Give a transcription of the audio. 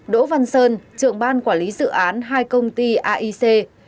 bốn đỗ văn sơn trưởng ban quản lý dự án hai công ty aic